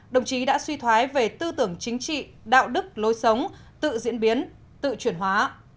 đồng chí đã suy thoái về tư tưởng chính trị đạo đức lối sống tự diễn biến tự chuyển hóa